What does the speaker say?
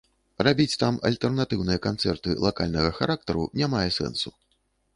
Рабіць там альтэрнатыўныя канцэрты лакальнага характару не мае сэнсу.